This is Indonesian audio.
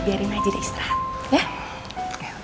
biarin aja deh istirahat ya